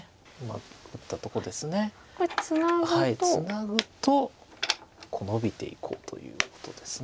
ツナぐとこうノビていこうということです。